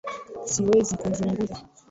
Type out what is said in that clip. Siwezi kuzungumza